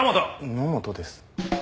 野本です。